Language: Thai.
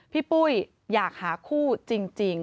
ปุ้ยอยากหาคู่จริง